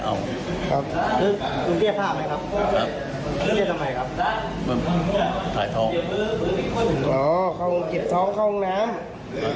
ก็ว่าแบบว่าถ้าจริงจริงลุงไม่ได้เอาครับคือลุงเกลี้ยผ้าไหมครับครับ